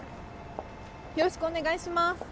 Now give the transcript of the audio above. よろしくお願いします。